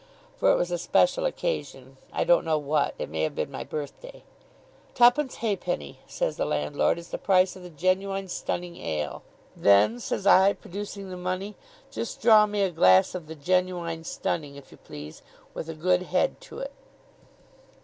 For it was a special occasion. I don't know what. It may have been my birthday. 'Twopence halfpenny,' says the landlord, 'is the price of the Genuine Stunning ale.' 'Then,' says I, producing the money, 'just draw me a glass of the Genuine Stunning, if you please, with a good head to it.